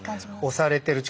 押されてる力